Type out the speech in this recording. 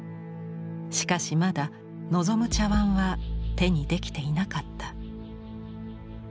しかしまだ望む茶碗は手にできていなかった。